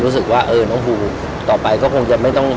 รู้สึกว่าเออน้องภูต่อไปก็คงจะไม่ต้อง